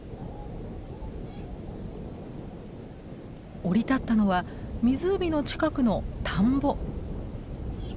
降り立ったのは湖の近くの田んぼ。